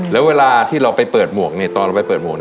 แล้วเวลาที่เราไปเปิดหมวกตอนเราไปเปิดหมวก